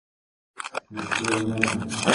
روغتیا نعمت دی.